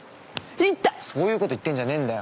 そういうこと言ってんじゃねぇんだよ！